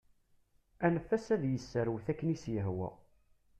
Anef-as ad iserwet akken i s-yehwa.